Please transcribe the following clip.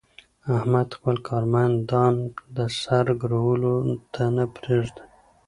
احمد خپل کارمندان د سر ګرولو ته نه پرېږي.